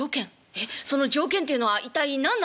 えっその条件っていうのは一体何なんですか？」。